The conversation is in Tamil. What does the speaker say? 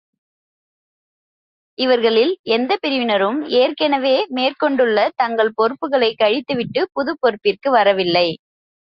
இவர்களில் எந்தப் பிரிவினரும், ஏற்கனவே, மேற் கொண்டுள்ள தங்கள் பொறுப்புகளைக் கழித்து விட்டு, புதுப் பொறுப்பிற்கு வரவில்லை.